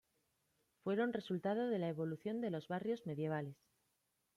Fueron resultado de la evolución de los barrios medievales.